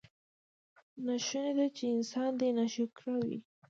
ناشونې ده چې انسان دې ناشکره وي.